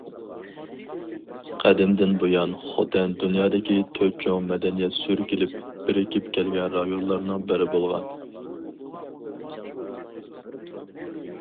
قەدىمدىن بۇيان خوتەن دۇنيادىكى تۆت چوڭ مەدەنىيەت سۈركىلىپ، بىرىكىپ كەلگەن رايونلارنىڭ بىرى بولغان.